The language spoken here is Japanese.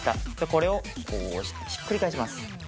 これをひっくり返します